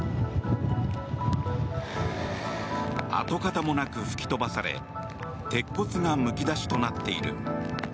跡形もなく吹き飛ばされ鉄骨がむき出しとなっている。